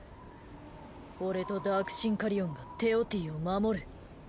俺とダークシンカリオンがテオティを守る。